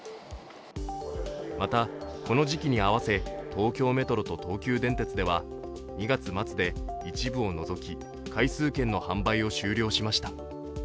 また、この時期に合わせ東京メトロと東急電鉄では２月末で一部を除き回数券の販売を終了しました。